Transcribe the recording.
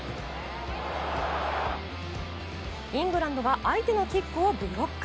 イングランドが相手のキックをブロック。